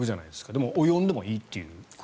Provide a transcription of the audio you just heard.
でも及んでもいいと。